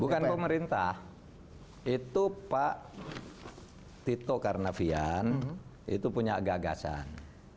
bukan pemerintah itu pak tito karnavian itu punya gagasan